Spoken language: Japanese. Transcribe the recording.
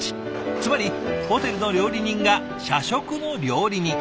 つまりホテルの料理人が社食の料理人。